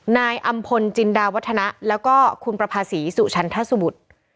นายอำพลจินดาวัฒนะแล้วก็คุณประภาษีสุชันทสุบุตร